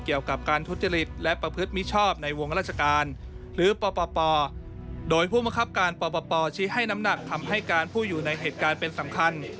เกี่ยวกับการทุจริตและประพฤติมิชชอบในวงราชการหรือปปโดยผู้มังคับการปปชี้ให้น้ำหนักคำให้การผู้อยู่ในเหตุการณ์เป็นสำคัญ